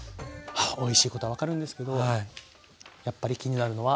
おいしいことは分かるんですけどやっぱり気になるのは。